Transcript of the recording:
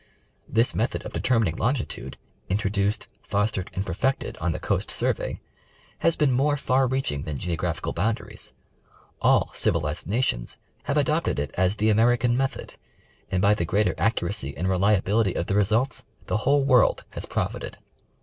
This method of determining longitude, introduced, fostered and perfected on the Coast Survej^, has been more far reaching than geographical boundaries. All civilized nations have adopted it as the "American Method," and by the greater ac curacy and reliability of the results the whole world has profited.